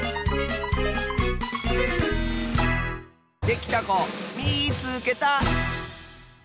できたこみいつけた！